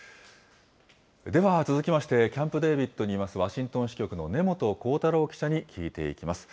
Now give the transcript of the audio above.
では続きまして、キャンプ・デービッドにいます、ワシントン支局の根本幸太郎記者に聞いていきます。